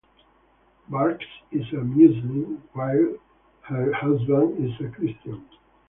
Baksh is a Muslim, while her husband is a Christian.